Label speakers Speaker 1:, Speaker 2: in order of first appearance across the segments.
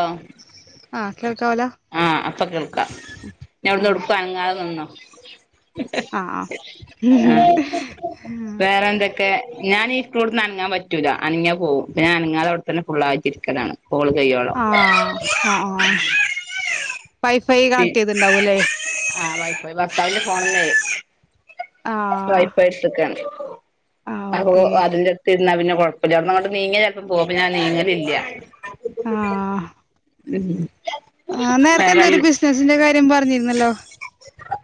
Speaker 1: ആഹ്
Speaker 2: ആഹ് കേൾക്കാവലോ
Speaker 1: ആഹ് അപ്പ കേൾക്കാം
Speaker 2: ആഹ്
Speaker 1: [unintelligible] നിന്നോ
Speaker 2: ആഹ് ആഹ്
Speaker 1: ആഹ് വേറെ എന്തൊക്കെ ഞാനി ഇരിക്കുണുടുത്തുന്ന് അനങ്ങാൻ പറ്റൂല്ല അനങ്ങ്യ പോവും പ്പഞാ അനങ്ങാതെ ഇവടെത്തന്നെ ഫുള്ളായിട്ട് ഇരിക്കലാണ് കോള് കെയ്യോ
Speaker 2: ആഹ് ആഹ് വൈ ഫൈ
Speaker 1: ആഹ് വൈ ഫൈ ഭർത്താവിന്റെ ഫോണീന്നെ
Speaker 2: ആഹ്
Speaker 1: വൈഫൈ ട്ത്തക്കാണ്
Speaker 2: ആഹ്
Speaker 1: അപ്പോ
Speaker 2: ഓക്കെ
Speaker 1: അതിന്റെ എടുതിരുന്നാ പിന്നെ കൊഴപ്പമില്ല അവ്ടന്ന് അങ്ങ നിങ്ങിയാ ചെലപ്പോ പോകും അപ്പോ ഞാൻ നീങ്ങലില്ല
Speaker 2: ആഹ്
Speaker 1: ഉം
Speaker 2: ആഹ് നേരത്തെ
Speaker 1: വേറെ
Speaker 2: എനന്തോ ഒരു ബിസിനസിന്റെ കാര്യം പറഞ്ഞിരുന്നല്ലോ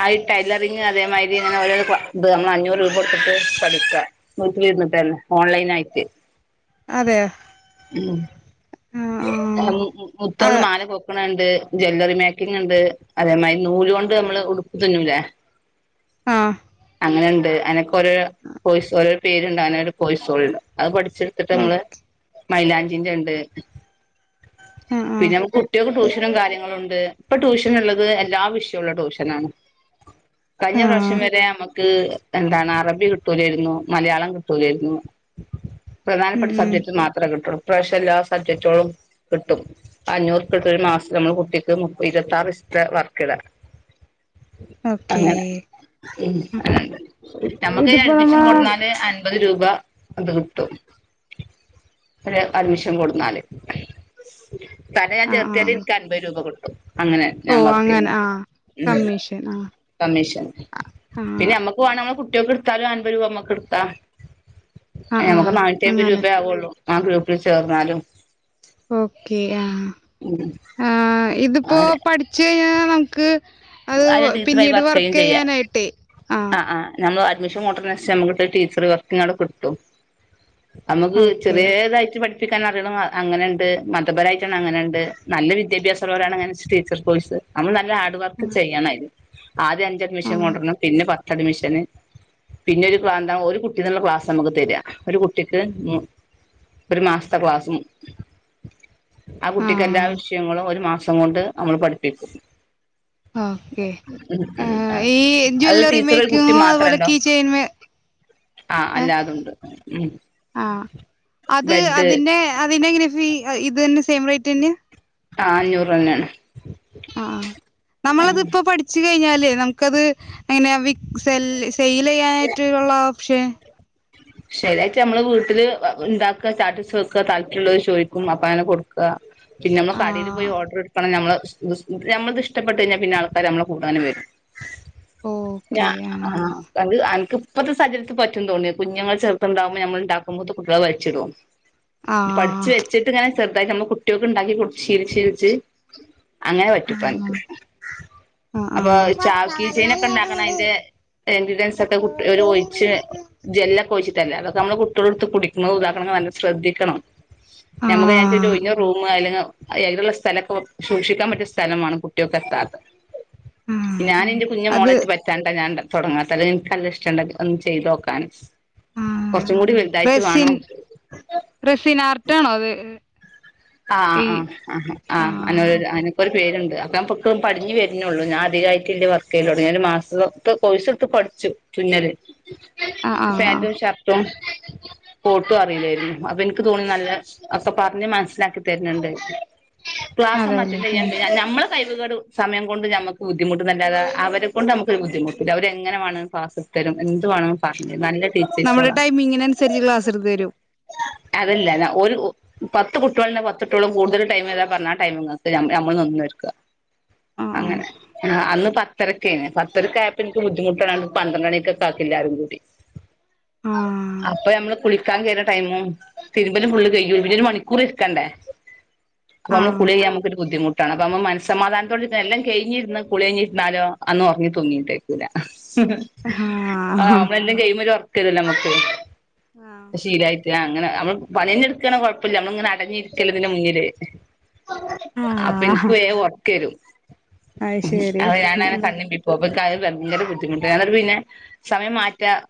Speaker 1: ആഹ് ഈ ടൈലറിങ് അതേമാതിരി ഇങ്ങനെ ഓരോ ഇത് നമ്മൾ അഞ്ഞൂറ് രൂപ കൊടുത്തിട്ട് പഠിക്കാ വീട്ടിലിരുന്നിട്ടെന്നെ ഓൺലൈനായിട്ട്
Speaker 2: അതെയോ
Speaker 1: ഉം
Speaker 2: ആഹ്
Speaker 1: [unintelligible] മുത്തോണ്ട്
Speaker 2: ആഹ്
Speaker 1: മാല കോർക്ക്ണണ്ട് ജ്വല്ലറി മേക്കിങ് ഇണ്ട് അതേമാതിരി നൂലുകൊണ്ട് നമ്മള് ഉടുപ്പ് തുന്നുല്ലേ
Speaker 2: ആഹ്
Speaker 1: അങ്ങനെ ണ്ട് അയിനൊക്കൊരോരോ കൊയ്സ് ഓരോ പേരുണ്ട് [unintelligible] ഒരു കോയിസേലുണ്ട് അത് പഠിച്ചെടുത്തിട്ട്
Speaker 2: ആഹ്
Speaker 1: നമ്മള്
Speaker 2: ഓഹ്
Speaker 1: മൈലാഞ്ചിന്റെണ്ട്
Speaker 2: ആഹ് ആഹ്
Speaker 1: പിന്നെ നമ്മക്ക് കുട്ടിയേൾക്ക് ട്യൂഷനും കാര്യങ്ങളും ഒണ്ട് ഇപ്പോ ട്യൂഷൻ ഇള്ളത് എല്ലാ വിഷയവും ഉള്ള ട്യൂഷനണ് കഴിഞ്ഞ പ്രാശ്യം
Speaker 2: ആഹ്
Speaker 1: വരെ നമുക്ക് എന്താണ് അറബി കിട്ടൂലാരുന്നു മലയാളം കിട്ടൂലാരുന്നു
Speaker 2: ഉം
Speaker 1: പ്രധാനപ്പെട്ട
Speaker 2: ഉം
Speaker 1: സബ്ജക്റ്റ് മാത്രേ കിട്ടുള്ളൂ ഇപ്രാശ്യം എല്ലാ സബ്ജറ്റൊളും കിട്ടും അഞ്ഞൂറു റുപ്പികൊടുത്ത ഒരു മാസം നമ്മളെ കുട്ടിക്ക് ഇരുപത്താറ് ദിസത്തെ വർക്ക് ഇട
Speaker 2: [inaudible] ഓക്കേ
Speaker 1: അങ്ങനെ ഉം അങ്ങനണ്ട് നമ്മക്ക്
Speaker 2: ഇതിപ്പോ നമ്മ
Speaker 1: അഡ്മിഷൻ കൊടുന്നാല് അ അമ്പത് രൂപ അത് കിട്ടും ഒരു അഡ്മിഷൻ കൊടുന്നാല് തന്നേ ഞാൻ
Speaker 2: ആഹ്
Speaker 1: ചേർത്തിയാല്
Speaker 2: ആഹ്
Speaker 1: ഇൻക്ക് അമ്പത് രൂപ കിട്ടും അങ്ങനെ ഞാൻ
Speaker 2: ഓഹ്
Speaker 1: വർക്ക്
Speaker 2: അങ്ങനെ ആഹ്
Speaker 1: ചെയ്യ്ണ്ത്
Speaker 2: കമ്മീഷൻ ആഹ്
Speaker 1: കമ്മീഷൻ
Speaker 2: ആഹ്
Speaker 1: പിന്നെമ്മ ക്കു ആണ് നമ്മള് കുട്ടിയേൾക്കെടുത്താലും അൻപത് രൂപ നമ്മുക്ക് എടുക്കാ
Speaker 2: ആഹ്
Speaker 1: നമുക്ക്
Speaker 2: ആഹ്
Speaker 1: നാന്നൂറ്റി അമ്പത്
Speaker 2: അങ്ങനെ
Speaker 1: രൂപേയാവുള്ളൂ ആ ഗ്രൂപ്പിൽ ചേർന്നാലും
Speaker 2: ഓക്കേ ആഹ്
Speaker 1: ഉം
Speaker 2: ആഹ് ഇതിപ്പോ
Speaker 1: അങ്ങനെ
Speaker 2: പഠിച്ച് കഴിഞ്ഞാ നമുക്ക് അത്
Speaker 1: അതില് ടീച്ചറായി
Speaker 2: പിന്നീട്
Speaker 1: ചെയ്യും
Speaker 2: വർക്ക്
Speaker 1: ചെയ്യാം
Speaker 2: ചെയ്യാനായി ട്ടെ ആഹ്
Speaker 1: ആഹ് നമ്മള് അഡ്മിഷൻ കൊണ്ടര്നസരിച്ച് നമ്മക്ക് ടീച്ചർ വർക്കിനവടെ കിട്ടും നമക്ക്
Speaker 2: ഓക്കെ
Speaker 1: ചെറിയേതായിട്ട് പടി ഠിപ്പിക്കാൻ അറിയണം അങ്ങനെണ്ട് മതപരായിട്ട് അങ്ങനെണ്ട് നല്ല വിദ്യാഭ്യാസുള്ളോരാണ് അങ്ങനെ ടീച്ചർ കോഴ്സ് നമ്മള് നല്ല ഹാർഡ് വർക്ക്
Speaker 2: ആഹ്
Speaker 1: ചെയ്യണം ആദ്യം അഞ്ചഅഡ്മിഷൻ
Speaker 2: ആഹ്
Speaker 1: കൊണ്ടുവരണം പിന്നെ പത്തടി മിഷന്- പിന്നെ ഒരു എന്താ ഒരു കുട്ടിന്നുള്ള ക്ലാസ് നമുക്ക് തരാ ഒരു കുട്ടിക്ക്- ഒരു മാസത്തെ ക്ലാസും- ആ കുട്ടിക്ക് എല്ലാ
Speaker 2: ആഹ്
Speaker 1: വിഷയങ്ങളും ഒരു മാസം കൊണ്ട് നമ്മള് പഠിപ്പിക്കും
Speaker 2: ഓക്കേ
Speaker 1: ആഹ്
Speaker 2: ഈ
Speaker 1: അത്
Speaker 2: ജ്വല്ലറി
Speaker 1: ടീച്ചർ ഒരു കുട്ടി
Speaker 2: മേക്കിങ്ങോ അതുപോലെ കീ ചെയ്‌ൻ മേ-
Speaker 1: ആ
Speaker 2: ഏഹ്
Speaker 1: അല്ലാതുണ്ട് ഉം
Speaker 2: ആഹ് അത്
Speaker 1: ബെഡ്
Speaker 2: അതിന്റെ അതിനെങ്ങനെ ഫീ ഇത് തന്നെ സെയിം റേറ്റ് തന്നെയ
Speaker 1: ആഹ് അഞ്ഞൂറ് രൂപ തന്നാണ്
Speaker 2: ആഹ് നമ്മളത് ഇപ്പോപഠിച്ചു കഴിഞ്ഞാല് നമുക്കത് എങ്ങനെയ വി സെല്ല്- സെയിൽ ചെയ്യാനായട്ടുള്ള [unintelligible] ഓപ്ഷൻ
Speaker 1: ശരിയായിട്ട് നമ്മളെ വീട്ടില് ഉണ്ടാക്കുക സ്റ്റാറ്റസ് വെക്കുക താല്പര്യമുള്ളോല് ചോദിക്കും അപ്പങ്ങനെ കൊടുക്കും പിന്നെമ്മള് കടയില് പോയി
Speaker 2: ആഹ്
Speaker 1: ഓർഡർ എടുക്കണ നമ്മള് സ് - ഞമ്മളിത് ഇഷ്ടപ്പെട്ട് കഴിഞ്ഞാ പിന്നെ ആൾക്കാര് നമ്മെ കൂടനെ വരും
Speaker 2: ഓക്കെ
Speaker 1: ഞ-
Speaker 2: ആഹ്
Speaker 1: അത് അനക്ക് ഇപ്പത്തെ സാഹചര്യത്തിൽ പറ്റും തോന്നിയ- കുഞ്ഞുങ്ങള് ചെറത്ണ്ടാകുമ്പോ ഞമ്മള് ഉണ്ടാക്കുമ്പോ മൂത്തെ കുട്ടികള് വലിച്ചിടും പഠിച്ച്
Speaker 2: ആഹ്
Speaker 1: വെച്- ഇങ്ങനെ ചെറുതാക്കി നമ്മെ കുട്ടികൾക്ക് ഇണ്ടാക്കി കൊടുത്തു ശീലിച്ച് ശീലിച്ച്- അങ്ങനെ പറ്റുപ്പോ
Speaker 2: ആഹ്
Speaker 1: അനക്ക്
Speaker 2: ആഹ്
Speaker 1: അപ്പൊ
Speaker 2: ആഹ്
Speaker 1: ചാവി കീചെയിൻനൊക്കെ ഉണ്ടാക്കണ അയിന്റെ- [unintelligible] കുട്ടിടെ ഒരു ഒഴിച്ച് ജെല്ലൊക്കെഴിച്ചിട്ടല്ലേ അതൊക്കെ നമ്മെ കുട്ടികളെടുത്ത് കുടിക്കുന്നത് ഇതാക്കണതൊക്കെ നല്ല ശ്രദ്ധിക്കണം ഞമ്മക്ക് ഞാൻ ചോദിച്ചത്
Speaker 2: ആഹ്
Speaker 1: ഒഴിഞ്ഞ റൂമ് അയില്- അയ്നുള്ള സ്ഥലക്കെ സൂക്ഷിക്കാൻ പറ്റിയ സ്ഥലം വെണം കുട്ടികൾക്ക് എത്താത്തെ
Speaker 2: ആഹ്
Speaker 1: ഞാന് എന്റെ കുഞ്ഞു
Speaker 2: അത്
Speaker 1: മോളേ ഇട്ട് പറ്റാണ്ടാ ഞാൻ തൊടങ്ങാത്തെ അല്ല എനിക്ക് നല്ല ഇഷ്ടണ്ട് ഒന്ന് ചെയ്ത് നോക്കാന് [inaudible]
Speaker 2: ആ റെസിൻ
Speaker 1: വേണം
Speaker 2: റെസി [unintelligible] നാർട്ടാണോ അത്
Speaker 1: ആഹ്
Speaker 2: ഈ
Speaker 1: ആഹ് ആഹ് ആഹ് അനോ അ- ഒരു പേരുണ്ട് അപ്പോ [unintelligible] പടിഞ്ഞ് വരുന്നോള്ളൂ ഞാൻ അധികായിട്ട് ഇല്ല വർക്ക് ചെയ്യല് തൊടങ്ങീട്ട് ഒരു മാസത്ത് കോഴ്സ് എടുത്ത് പഠിച്ചു തുന്നല്
Speaker 2: ആഹ് ആഹ്
Speaker 1: പാൻറ്റും ഷർ ട്ടും കോട്ടും അറിയില്ലായിരുന്നു അപ്പോ എനിക്ക് തോന്നി നല്ല ഒക്കെ പറഞ്ഞ് മനസ്സിലാക്കി- തര്ന്നുണ്ട് ക്ലാസ് ഒന്ന്
Speaker 2: അതെല്ലേ
Speaker 1: അറ്റൻഡ് ചെയ്യാൻ ഞ ഞമ്മളെ കഴിവ് കെട് - സമയം കൊണ്ട് നമുക്ക് ബുദ്ധിമുട്ട് അല്ലതെ അവരെ കൊണ്ട് നമുക്ക് ഒരു ബുദ്ധിമുട്ടില്ല അവരെങ്ങനെ വാണമെങ്കിലും ക്ലാസ് തരും എന്തുവാണം പറഞ്ഞ് നല്ല-
Speaker 2: നമ്മുടെ
Speaker 1: ടീച്ചേഴ്സോളാ
Speaker 2: ടൈമിങ്ങനുരിച്ച് ക്ലാസ് എടുത്ത് തരും
Speaker 1: അതല്ല ന ഒരു പത്ത് കു [unintelligible] പത്തുട്ടോള് കൂടുതൽ ടൈം വരാൻ പറഞ്ഞ അ ടൈമ്ങ്ങക്ക് നമ്മള് നിന്നോര്ക്ക
Speaker 2: ആഹ്
Speaker 1: അങ്ങനെ അ അന്ന് പത്ത്- പത്തരക്കെയ്ന് പത്തരക്ക് ആയപ്പോ ഇൻക്ക് ബുദ്ധിമുട്ടാണ് പന്ത്രണ്ട് മണിക്കക്കാക്കി എല്ലാരും കൂടി
Speaker 2: ആഹ്
Speaker 1: അപ്പൊ നമ്മള് കുളിക്കാൻ കയറിയ ടൈമും തിരുമ്പലും ഫുള്ള് കഴിയും പിന്നെ ഒരു മണിക്കൂർ ഇ ക്കണ്ടേ അപ്പോ നമ്മള് കുളികയിയാ നമുക്കൊരു ബുദ്ധിമുട്ട്- അപ്പോ നമ മനസ്സമാധത്തോട് എല്ലാം കഴിഞ്ഞിരിന്ന് കുളിഞ്ഞിരുന്നാലോ അന്ന് ഉറങ്ങി തൂങ്ങിയിട്ടിരിക്കൂല
Speaker 2: ആഹ്
Speaker 1: നമ്മളെല്ലാം എല്ലാം കഴിയുമ്പോ ഒര ട്ടിരില്ല നമുക്ക്
Speaker 2: ആഹ്
Speaker 1: ശീലായിട്ട് അങ്ങനെ നമ്മള് പണി കഴിഞ്ഞ് ഇടുക്കാണെങ്കിൽ കൊഴപ്പം ഇല്ല നമ്മള് ഇങ്ങനെ- അലിഞ്ഞിരിക്കല് ഇതിന്റെ മുന്നില് അപ്പോ ഇൻക്ക്
Speaker 2: ആഹ്
Speaker 1: വേഗം ഉറക്ക് വരും
Speaker 2: അത് ശരി
Speaker 1: അപ്പോ ഞാന് അങ്ങനെ കണ്ണിമ്പി- ഇപ്പോ [unintelligible] ക്കെ ഭയങ്കര ബുദ്ധിമുട്ട് അങ്ങട്ട് പിന്നെ സമയം മാറ്റാ-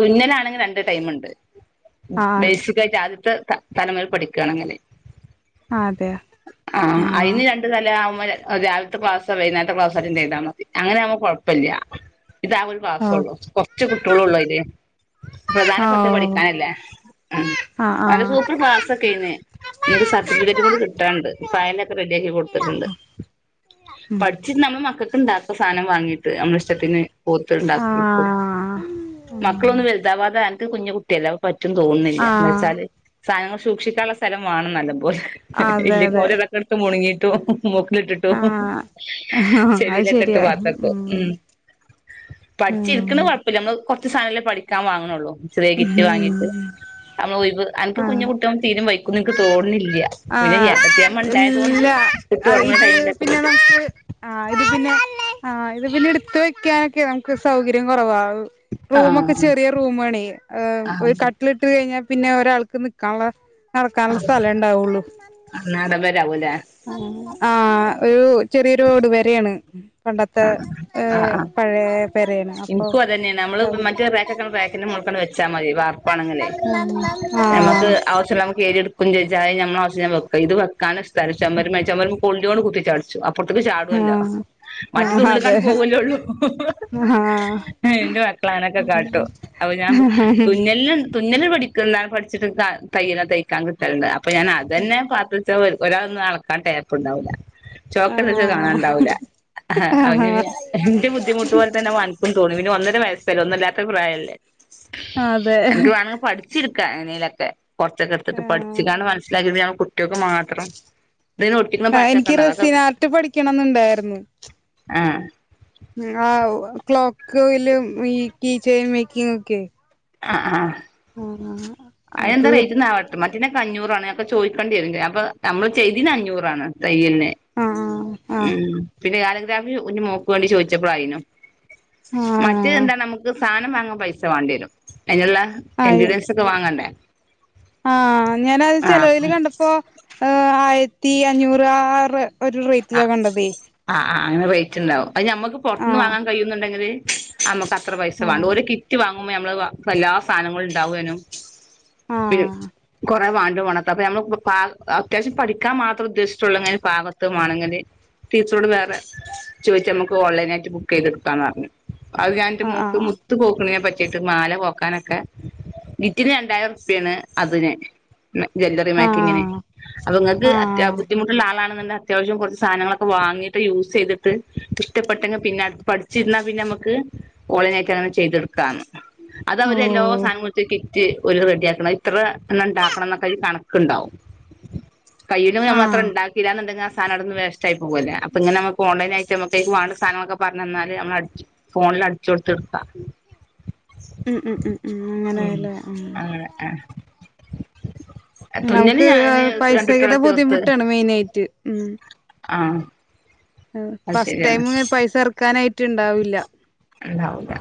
Speaker 1: തുന്നലാണെങ്കിൽ രണ്ട് ടൈമുണ്ട്
Speaker 2: ആഹ്
Speaker 1: ബേസിക്കായിട്ട് ആദ്യത്തെ തലമേൽ പഠിക്കാണങ്ങനെ
Speaker 2: അതെയോ
Speaker 1: ആഹ് അയിന് രൺ - രാവിലത്തെ ക്ലാസോ [unintelligible] വൈന്നാരത്തെ ക്ലാസോ അറ്റന്റ് ചെയ്താൽ മതി അങ്ങനെ ആവുമ്പോ കൊഴപ്പല്ല ഇത് ആ ഒരു
Speaker 2: ഓഹ്
Speaker 1: ക്ലാസൊള്ളൂ കൊറച്ച് കുട്ടിയോളോള്ളൂ അയില് പ്രധാനപ്പെട്ടത്
Speaker 2: ഓഹ്
Speaker 1: പഠിക്കാനല്ലേ ഉം
Speaker 2: ആഹ്
Speaker 1: അത്
Speaker 2: ആഹ്
Speaker 1: സൂപ്പർ ക്ലാസ്സ്‌ [unintelligible] ക്കയ്ന് ഒര് സർട്ടിഫിക്കറ്റ് കൂടി കിട്ടാണ്ട് ഫയലൊക്കെ റെഡി ആക്കി കൊടുത്ത്ട്ടുണ്ട്
Speaker 2: ഉം
Speaker 1: പട്ചി നമ്മള മക്കക്ക്ണ്ടാക്ക സാനം വാങ്ങീട്ട് അമ്മള ഇഷ്ടത്തിന് [unintelligible]
Speaker 2: ആഹ് ഉം
Speaker 1: മക്കളൊന്നും വൽതാവാതെ അൻക്ക് കുഞ്ഞി കുട്ടിഅല്ലേ പറ്റും തോൺണില്ല
Speaker 2: ആഹ്
Speaker 1: എന്താച്ചാല് സാനങ്ങൾ സൂക്ഷിക്കാൻള്ള സ്ഥലം വാണം നല്ല പോലെ
Speaker 2: അതെ
Speaker 1: ഇല്ലെങ്കി
Speaker 2: അതെ
Speaker 1: ഓര് ഇതൊക്കെട്ത്ത് മുണ്ങ്ങീയിട്ടും മൂക്കിലിട്ടിട്ടും
Speaker 2: ആഹ് അത്
Speaker 1: ചെവീലൊക്കെ ഇട്ട്
Speaker 2: ശരിയാ
Speaker 1: പാത്തക്കും ഉം പട്ച്ചിര്ക്ക്ണ
Speaker 2: ആഹ്
Speaker 1: മാ നമ്മള് കൊർച്ച് സാധനല്ലേ പഠിക്കാൻ വാങ്ണോള്ളൂ ചെറിയകിറ്റ് വാങ്ങിട്ട്
Speaker 2: ഉം
Speaker 1: നമ്മള് ഒഴിവ് അൻക്ക്
Speaker 2: ആഹ്
Speaker 1: കുഞ്ഞുകു ട്ടും തീരെ വയ്ക്കും ഇൻക്ക് തൊൺണില്ല പിന്നെ
Speaker 2: ആഹ്
Speaker 1: ഏട്ടത്തിയമ്മ ഇണ്ടായതുകൊണ്ട്
Speaker 2: ഇല്ല
Speaker 1: കുട്ടി ഒർങ്ങ്ണ ടൈമിലൊക്കെ പറ്റും
Speaker 2: ആ ഇത് പിന്നെ ആ ഇത് പിന്നെ ഇട്ത്ത് വെക്ക്യാനൊക്കെ നമുക്ക് സൗകര്യം കൊറവാവും റൂമൊക്കെ
Speaker 1: ആഹ്
Speaker 2: ചെറിയ റൂമാണെ
Speaker 1: ആഹ്
Speaker 2: ഒരു കട്ടിലിട്ട് കഴിഞ്ഞാ പിന്നെ ഒരാൾക്ക് നിക്കാൻള്ള നടക്കാൻള്ള സ്ഥലം ഇണ്ടാവൊള്ളു
Speaker 1: ആഹ് നാടൻ വരാവൂല്ലേ
Speaker 2: ആ ഒരു ചെറിയൊരു ഓട് പെരെണ് പണ്ടത്തെ
Speaker 1: ആഹ്
Speaker 2: ഏ
Speaker 1: ആഹ് ആഹ്
Speaker 2: പഴെ
Speaker 1: ഇൻക്കും അതന്നെണ് നമ്മള് മറ്റേ റേക്കൊക്കെ റേക്കിന്റെ മോൾക്കാണ്ട് വെ ച്ചാ മതി വർപ്പാണങ്കില് നമ്മക്ക് ആവശ്യണ്ടാവുമ്പോ കേറി ചെജ്ജ അയ് ഞമ്മള ആവശ്യം വെക്ക ഇത് വെക്കാന സ്ഥലം ചൊമര്മെ ചോമര്മ കൊള്ളിയോണ്ട് കുത്തിചാട്ച്ചും പ്പൊർത്ത്ക്ക്‌ ചാടൊല്ലോ മറ്റത് ഉള്ള്ക്കാണ്ട് പോവല്ലോള്ളൂ
Speaker 2: ഹാ
Speaker 1: അ എന്റെ മക്കളാ അങ്ങനൊക്കെ കാട്ടോ അപ്പോ ഞാൻ തുന്നൽ ന് തുന്നല് പഠിക്കുന്ന പട്ച്ചിട്ട് ത തയ്യല് തയ്ക്കാൻ കിട്ടൽണ്ട് അപ്പോ ഞാൻ അതന്നെ പ ഒരളന്നാ അളക്കാൻ ടേപ്പ് ഉണ്ടാവൂല ചോക്കന്നെച്ച
Speaker 2: ആഹ്
Speaker 1: കാണാൻ ഇണ്ടാവൂല അ
Speaker 2: ആഹ്
Speaker 1: [unintelligible] ഇന്റെ ബുദ്ധിമുട്ട് പോൽ തന്നെ അൻക്കും തോന്ന പിന്നെ ഒന്നര വയസ്സല്ലേ ഒന്നുല്ലാത്ത പ്രായല്ലേ
Speaker 2: അതെ
Speaker 1: അൻക്ക് വാണങ്കി പഠിച്ച് രിക്കാ എങ്ങനെലൊക്കെ കൊർച്ചക്കെ ഇട്ത്ത്ട്ട്
Speaker 2: ആഹ്
Speaker 1: പഠിച്ചിങ്കാണ്ട് മൻസ്സിലാക്കി ഇത് ഞങ്ങൾ കുട്ട്യാൾക്ക് മാ ത്രം ഇതിന് ഒട്ടിക്ക്‌ ണ
Speaker 2: ആഹ്
Speaker 1: പശൊക്കെ
Speaker 2: എനിക്ക്
Speaker 1: ഇണ്ടാവും അ ഒക്കെ
Speaker 2: റെസിൻ ആർട്ട് പഠിക്കണംന്നുണ്ടായിരുന്നു
Speaker 1: ആഹ്
Speaker 2: ങ്ങാവൂ ക്ലോക്ക്ല് ഈ കീ ചെയിൻ വെക്കും ഒക്കെ
Speaker 1: ആ ആഹ്
Speaker 2: ആഹ്
Speaker 1: അയ്നെന്താ
Speaker 2: അത്
Speaker 1: റേറ്റ്ന്നാവ ട്ട് മറ്റെനൊക്കെ അഞ്ഞൂറാണ് അപ്പോ ചോയ്ക്കണ്ട്യരും അപ്പൊ അമ്മള് ചെയ്തീന് അഞ്ഞൂറാണ് തയ്യൽന്
Speaker 2: ആഹ് ആഹ്
Speaker 1: ഉം പിന്നെ കാലഗ്രാഫി കുഞ്ഞ് മോക്ക് വേണ്ടി ചോയിച്ചപ്പളയിനും മറ്റേ
Speaker 2: ആഹ്
Speaker 1: എന്താ നമുക്ക് സാനം വാങ്ങാൻ പൈസ വാണ്ടി വരും അയിന്ള്ള
Speaker 2: ആയി
Speaker 1: എൻഗ്രീഡിയൻസ് സൊക്കെ വാങ്ങണ്ടേ
Speaker 2: ആഹ് ഞാനത്
Speaker 1: ആഹ്
Speaker 2: ചെലവില് കണ്ടപ്പോ ഏ ആയിര്ത്തി അഞ്ഞൂറാറ് ഒരു റൈറ്റിലാ കണ്ടതേ
Speaker 1: ആ ആ അങ്ങനെ റൈറ്റ്ണ്ടാവും അഹ് ഞമ്മക്ക് പൊർത്ത്ന്ന്
Speaker 2: ആഹ്
Speaker 1: വാങ്ങാൻ കയ്യുന്നുണ്ടെങ്കില് അമ്മക്ക് അത്ര പൈസ വാണ്ട
Speaker 2: ഓഹ്
Speaker 1: ഒരു കിറ്റ് വാങ്ങുമ്പോ നമ്മളത് പ്പെല്ലാസാനങ്ങളും ഉണ്ടാവേനും പി
Speaker 2: ആഹ്
Speaker 1: കൊറെ വാണ്ട വണാത്ത അപ്പൊ നമ്മള് പാ അത്യാവശ്യം പഠിക്കാം മാത്ര ഉദ്ദേിച്ചിട്ടുള്ളൂ ങ്ങനെ പാ മാണെങ്കില് ടീച്ചറോട് വേറെ ചോയിക്ക മ്മക്ക് ഓൺലൈനായിട്ട് ബുക്കയ്ത് ഇട്ക്കാന്ന് പർഞ് അഹ് ഞാൻ ന്റെ
Speaker 2: ആഹ്
Speaker 1: മോക്ക്
Speaker 2: ആഹ്
Speaker 1: മുത്ത് കോക്ക്‌ണേ പറ്റ ട്ട് മാല കോക്കാനൊക്കെ ബിറ്റിന് രണ്ടായിരർപ്പ്യാണ് അതിന് ജ്വല്ലറി മെക്കിങ്ങിന്
Speaker 2: ആഹ്
Speaker 1: അപ്പൊ ഇങ്ങക്ക് അത്യാ
Speaker 2: ആഹ്
Speaker 1: ബുദ്ധിമുട്ട്ള്ള ആളാണ്ന്ന് ണ്ടെ അത്യാവശ്യം കൊർച്ച് സാനങ്ങളൊക്കെ വാങ്ങിട്ട് യൂസ് ചെയ്ത്ട്ട് ഇഷ്ടപ്പെട്ടെങ്കി പിന്നെ അത് പഠിച്ചിരുന്നാ. പിന്നെ ഞമ്മക്ക് [unintelligible] ങ്ങനെ ചെയ്ത്ട്ക്കാന്ന് അത് അവരെല്ലോ
Speaker 2: ഓഹ്
Speaker 1: സാനം കൊടുത്ത് കി റ്റ് ഓര് റെഡിയാക്കണം ഇത്ര എണ്ണം ഇണ്ടാക്കണം ന്നൊക്കെ അയ്ല് കണക്ക്‌ണ്ടാവും കയ്യിനും നമ്മള് അത്ര
Speaker 2: ആഹ്
Speaker 1: ഇണ്ടാക്കില്ല ന്നുണ്ടെങ്കി സാനടുന്ന് വേസ്റ്റായിപോവല്ലേ അപ്പോ ഇങ്ങനെ അമ്മക്ക് ഓൺലൈൻ ആയിട്ട് മ്മക്ക് അയ്ക്ക് വാണ്ട സാനങ്ങളൊക്കെ പർഞ്ഞന്നാല് നമ്മളട്ച്ച് ഫോണില് അടിച്ചൊടുത്ത്ട്ക്ക
Speaker 2: ഉം ഉം ഉം ഉം അങ്ങനെലെ ഉം
Speaker 1: അങ്ങനെ ആഹ്
Speaker 2: നങ്
Speaker 1: തുന്നല്
Speaker 2: ക്
Speaker 1: ഞാന് കണ്ടിട്ടുള്ള
Speaker 2: പൈസയുടെ
Speaker 1: തീർത്ത്
Speaker 2: ബുദ്ധിമുട്ടാണ് മെയിന എയ്റ്റ് ഉം
Speaker 1: ആഹ് അത്
Speaker 2: ഫസ്റ്റ് ടൈം
Speaker 1: ശരിയാണ്
Speaker 2: പൈസ എറക്കാനായിട്ട് ഇണ്ടാവില്ല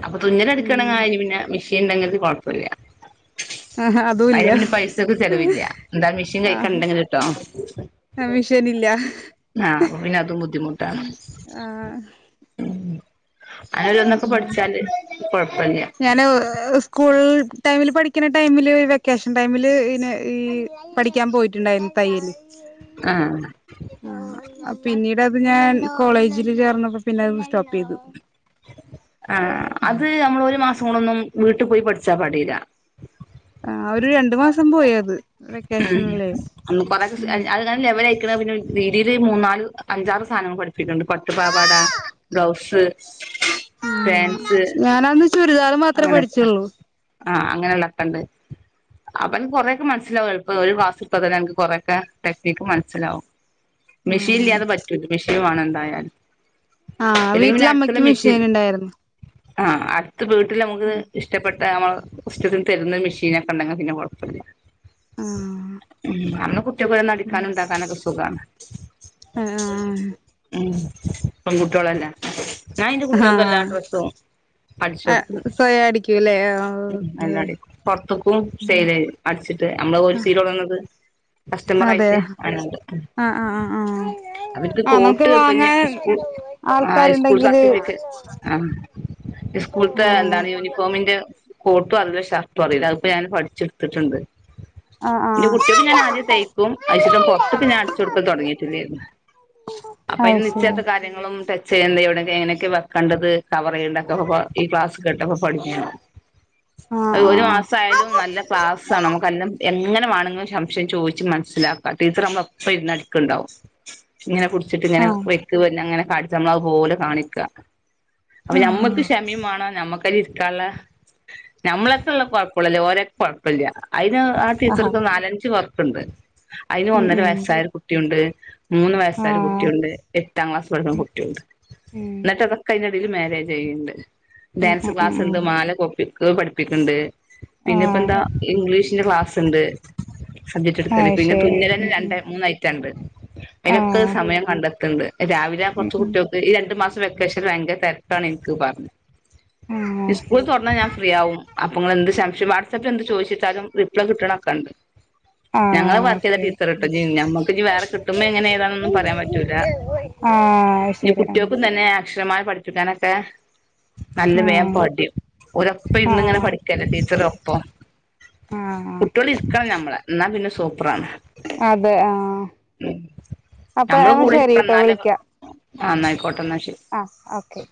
Speaker 1: അപ്പൊ
Speaker 2: ഉം
Speaker 1: തുന്നലടിക്ക്ണ ആയിന് പിന്നെ മിഷീൻ ഇണ്ടെങ്കിൽ കാെഴപ്പാെല്ല
Speaker 2: ആഹ് അതും
Speaker 1: അയ്ന്
Speaker 2: ഇല്ല
Speaker 1: പിന്നെ പൈസക്ക്‌ ചെലവില്ല എന്താ മെഷീൻ
Speaker 2: ആഹ്
Speaker 1: കഴിക്കണ്ടെങ്കില് ട്ടോ
Speaker 2: കമ്മീഷനില്ല
Speaker 1: ആഹ് അപ്പോ പിന്നെ അതും ബുദ്ധിമുട്ടാ
Speaker 2: ഉം ആഹ്
Speaker 1: ഉം
Speaker 2: ഉം
Speaker 1: അല്ലന്നൊക്കെ
Speaker 2: ഉം
Speaker 1: പഠിച്ചാല് കൊഴപ്പല്ല
Speaker 2: ഞാന് സ്കൂൾ ടൈമില് പഠിക്ക്ണ ടൈമില് വെക്കേഷൻ ടൈമില് പിന്നെ ഈ പഠിക്കാൻ പോയിട്ടുണ്ടായിര്ന്നു തയ്യല്
Speaker 1: ആഹ്
Speaker 2: ആഹ് പിന്നീട് അത് ഞാൻ കോളേജില് ചേർന്നപ്പോ പിന്നെഅഅങ് സ്റ്റോപ്പെയ്തു
Speaker 1: ആഹ് അത് നമ്മള് ഒരു മാസം കൊണ്ടൊന്നും വീട്ട് പോയി പഠ്ച്ചാ പടീല്ല
Speaker 2: ആഹ് ഒരു രണ്ട് മാസം പോയത്
Speaker 1: ഉം ഒന്ന് കാെറെ സിസ് അൽ അഅ് ഇങ്ങനെ ലെവലയിക്ക്‌ണ് പിന്നെരു രീതീല് മൂന്നാല് അഞ്ചാറ് സാനങ്ങൾ പഠിപ്പിക്ക്‌ണ്ട് പട്ടു പാവാട ബ്ലൗസ്
Speaker 2: [inaudible]
Speaker 1: പാൻസ്
Speaker 2: ചുരിദാറ് മാത്രേ
Speaker 1: അങ്ങനെയൊക്കെ
Speaker 2: പഠിച്ചാെള്ളൂ
Speaker 1: ആഹ് അങ്ങനെള്ളക്ക ഇണ്ട് അപ്പൻക്ക് കൊറേക്കെ മൻസിലാവും എള്പ്പം ഒരു മാസട്‌ത്താതന്നെ അൻക്ക് കാെറെക്കെ ടെക്നിക്ക് മനസ്സിലാവും മിഷീൻ ഇല്ലാതെ പറ്റൂല്ല മിഷീൻ വേണം എന്തായാലും
Speaker 2: ആഹ്
Speaker 1: ഇല്ലെങ്കിൽ പിന്നെ അടുത്തുള്ള
Speaker 2: വീട്ടിലമ്മയ്ക്ക്
Speaker 1: മെഷീൻ
Speaker 2: മിഷീന്ണ്ടായിരുന്നു
Speaker 1: ആഹ് അട്ത്ത് വീട്ടില് ഞമ്മ്ക്ക് ഇഷ് ട്ടപ്പെട്ട നമ്മള് ഇഷ്റ്റത്തിന് തര്ന്ന മിഷീനൊക്കെ ഇണ്ടെങ്ക പിന്നെ കാെഴപ്പല്ല
Speaker 2: ആ
Speaker 1: ഉം അന്ന് കുട്ട് റ്റപ്പെടുന്ന അടിക്കാനും ഇതാക്കാനൊക്കെ സുഖാണ് ഉം പെൺകുട്ടിയോളല്ലേ ഞാൻ ഇന്റെ
Speaker 2: ആ
Speaker 1: കുട്ട്യാൾക്ക് എല്ലാ ഡ്രസ്സും
Speaker 2: ആ
Speaker 1: അടിച്ചാെട്
Speaker 2: സ്വയം അടിക്കൂല്ലേ ഏ ആഹ്
Speaker 1: ഉം എല്ലടിക്കും പാെറത്ത്ക്കും സെയിലെയ്യും അടിച്ചിട്ട് അറമ്മള്
Speaker 2: ആ
Speaker 1: ഓല് സീലാെട്ന്നത്
Speaker 2: അതെ
Speaker 1: കസ്റ്റമറായിട്ട്
Speaker 2: ആഹ്
Speaker 1: ആനണ്ട് ഉം
Speaker 2: ആഹ് ആഹ് ആഹ്
Speaker 1: അവർക്ക്
Speaker 2: ആഹ് നമുക്ക്
Speaker 1: കോട്ട് ഇപ്പഞ്
Speaker 2: വാങ്ങാൻ
Speaker 1: സ്കൂൾ ആഹ് സ്കൂൾ
Speaker 2: ആൾക്കാരുണ്ടെങ്കില്
Speaker 1: സർട്ടിഫിക്ക ആഹ് സ്കൂൾത്തെ എന്താണ് യൂനിഫോമിന്റ് കോട്ടും അറീല ഷർട്ടും അറീല അഹ്പ്പ ഞാന് പടിച്ച്ട്ത്ത്ട്ട്ണ്ട്
Speaker 2: ആ
Speaker 1: ഇന്റെ കുട്ടിയോക്ക് ഞാനാദ്യം തയ്ക്കും അഹ്ച്ചിട്ട് പാെറത്ത്ക്ക് ഞാൻ അട്ച്ചൊട്ക്കല് താെടങ്ങീട്ടില്ലേയ്രുന്നു
Speaker 2: ആഹ്ശരി
Speaker 1: ര്യങ്ങളും ടച്ച് ചെയ്യണ്ടെ എവ്ടെക്കെ എങ്ങനെക്കെ വെക്കണ്ടത് കവറയ്യ്ണ്ടക്കെപ്പൊ ഈ ക്ലാസ് കേട്ടപ്പോ പഠിഞ്ഞ്ണ്
Speaker 2: ആഹ്
Speaker 1: അഅ് ഒരു മാസായാലും നല്ല ക്ലാസ്സാണ് നമുക്കെല്ലം എങ്ങനെ വാണെങ്ങും ശംശയം ചോയ്ച്ച് മൻസ്സിലാക്കാ ടീച്ചറ് ഞമ്മളെ ഒപ്പ ഇര്ന്ന് അടിക്ക്ണ്ടാവും ഇങ്ങനെ പുട്ച്ചിട്ട്
Speaker 2: ആഹ്
Speaker 1: ഇങ്ങനെ
Speaker 2: ആഹ്
Speaker 1: വെക്ക് പിന്നങ്ങനെ കാൺച്ച് ഞമ്മള് അഹ്പോലെ കാണിക്കാ അപ്പ ഞമ്മക്ക്
Speaker 2: ആഹ്
Speaker 1: ക്ഷമിംമാണം ഞമ്മക്കയില് ഇരിക്കാള്ള ഞമ്മളെക്ക്ള്ള കൊഴപ്പള്ളൂ അല്ലെ ഓരെക്ക് കൊഴപ്പല്ല്യ അയിന് ആ
Speaker 2: ആഹാ
Speaker 1: ടീച്ചർക്ക് നാലഞ്ച് വർക്ക്ണ്ട് അയിന്
Speaker 2: ഉം
Speaker 1: ഒന്നര
Speaker 2: ഉം
Speaker 1: വയസ്സായൊരു കുട്ടിയുണ്ട് മൂന്ന് വയസ്സായൊരു
Speaker 2: ആഹ്
Speaker 1: കുട്ടിയുണ്ട് എട്ടാം ക്ലാസ് പഠിക്ക്ണ കുട്ടിയുണ്ട്
Speaker 2: ഉം
Speaker 1: ഇന്നട്ട് ക്കാ ക്കയിന്റെടീല് മാരേജെയ്യ്ണ്ട്
Speaker 2: ഉം
Speaker 1: ഡാൻസ്
Speaker 2: ഉം ഉം
Speaker 1: ക്ലാസ്ണ്ട്
Speaker 2: ഉം
Speaker 1: മാല കോപ്പിക്ക് പഠിപ്പിക്ക്ണ്ട്
Speaker 2: ആഹ്
Speaker 1: പിന്നെപ്പന്താ ഇംഗ്ലീഷിനല് ക്ലാസ്ണ്ട് സബ്ജറ്റ് എടുക്കല്
Speaker 2: അയ്
Speaker 1: പിന്നെ
Speaker 2: ശരി
Speaker 1: തുന്നലന്നെ
Speaker 2: ഉം ഉം
Speaker 1: രണ്ടെ മൂന്നയിറ്റണ്ട് അയിലൊക്ക്
Speaker 2: ആഹ്
Speaker 1: സമയം കണ്ടെത്ത്ണ്ട് രാവിലെ
Speaker 2: ഉം
Speaker 1: കൊറച്ച്
Speaker 2: ഉം
Speaker 1: കുട്ട്യോൾ- ഈ രണ്ടു മാസം വെക്കേഷൻ ഭയങ്കര തെരക്കാണ് ഇൻക്ക് പറഞ്ഞ്
Speaker 2: ആഹ്
Speaker 1: സ്കൂള് തൊറന്നാ ഞാ അപ്പൊ ഇങ്ങളെന്ത് സംശം വാട്സപ്പില് എന്ത് ചോയിച്ചിട്ടാലും റിപ്ലേ കിട്ട്ണൊക്കെണ്ട് ഞങ്ങള്
Speaker 2: ആഹ്
Speaker 1: വർക്കൈത
Speaker 2: ഓക്കെ
Speaker 1: ടീച്ചറട്ടഞ്ഞ് ഞമ്മക്ക്ഞ്ഞ് വേറെ കിട്ടുമ്പോ എങ്ങനെ ഏതാണന്നും പറയാം പറ്റൂല
Speaker 2: ആഹ്
Speaker 1: ഞ്
Speaker 2: ശരി ആഹ്
Speaker 1: കുട്ടിയോക്കും തന്നെ അക്ഷരമാല പഠിപ്പിക്കാനൊക്കെ നല്ല വേം
Speaker 2: ആഹ്
Speaker 1: പടിം ഓരപ്പം
Speaker 2: ആഹ്
Speaker 1: ഇരിന്നങ്ങനെ
Speaker 2: ആഹ്
Speaker 1: പഠിക്കല്ലേ ടീച്ചറൊപ്പം
Speaker 2: ആഹ്
Speaker 1: കുട്ടിയള് ഇ രിക്കണം നമ്മളെ ഇന്നാ പിന്നെ സൂപ്പറാണ്.
Speaker 2: അതെ ആഹ് അപ്പയ ശരിയിട്ടോ വിളിക്കാം.
Speaker 1: ആഹ് ഇന്നായിക്കോട്ടെ ഇന്നാശെരി.
Speaker 2: ആഹ് ഓക്കെ.